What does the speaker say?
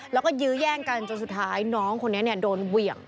แล้วก็ยื้อแย่งกันจนสุดท้ายน้องคนนี้โดนเหวี่ยง